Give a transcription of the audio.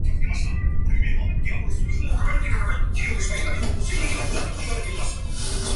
and was not not a cousin.